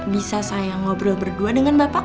bisa saya ngobrol berdua dengan bapak